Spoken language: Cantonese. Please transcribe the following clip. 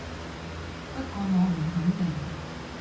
不過我唔肯定